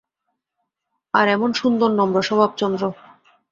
আর এমন সুন্দর নম্র স্বভাব– চন্দ্র।